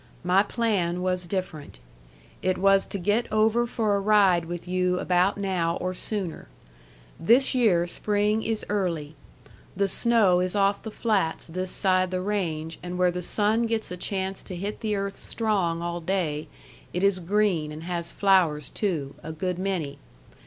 My plan was different. It was to get over for a ride with you about now or sooner. This year Spring is early. The snow is off the flats this side the range and where the sun gets a chance to hit the earth strong all day it is green and has flowers too, a good many.